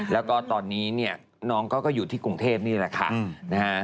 แล้วก็ตอนนี้น้องเขาก็อยู่ที่กรุงเทพฯนี่แหละค่ะ